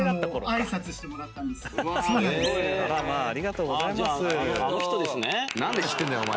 あらまあありがとうございます。